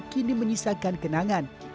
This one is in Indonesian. kini menyisakan kenangan